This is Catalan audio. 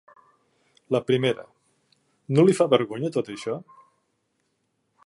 La primera: No li fa vergonya tot això?